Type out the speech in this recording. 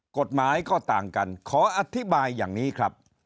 กฎหมายก็ต่างกันขออธิบายอย่างนี้ครับ